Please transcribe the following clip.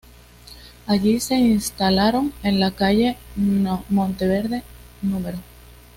Allí se instalaron en la calle Monteverde Nro.